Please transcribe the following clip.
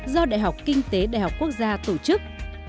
do đại học kinh tế đại học quốc gia tổ chức